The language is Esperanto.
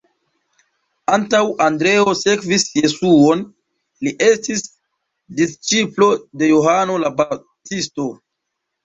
Antaŭ Andreo sekvis Jesuon, li estis disĉiplo de Johano la Baptisto.